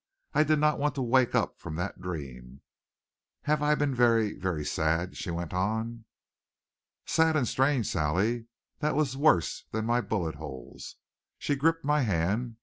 I did not want to wake up from that dream. "Have I been very very sad?" she went on. "Sad and strange, Sally. That was worse than my bullet holes." She gripped my hand.